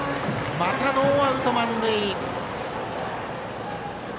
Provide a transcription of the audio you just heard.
またノーアウト満塁。